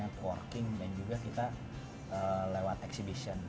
biasanya kita melalui networking dan juga kita lewat exhibition